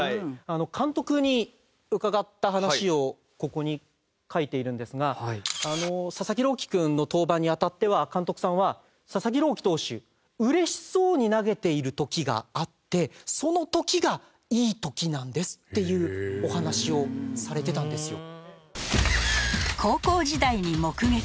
監督に伺った話をここに書いているんですが佐々木朗希君の登板にあたっては監督さんは佐々木朗希投手嬉しそうに投げている時があってその時がいい時なんですっていうお話をされてたんですよ。